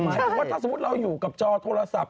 แต่ถ้าสมมุติเราอยู่กับจอโทรศัพท์